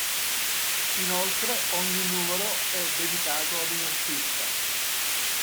Inoltre ogni numero è dedicato ad un artista.